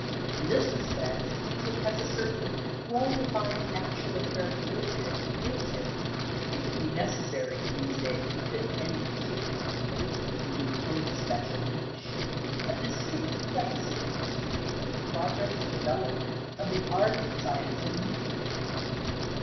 In this respect his music has a certain well defined natural characteristic that gives him if it be necessary in these days to fit any particular composer into his own special niche a distinct place in the history of the progress and development of the art and science of music making.